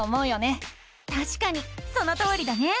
たしかにそのとおりだね！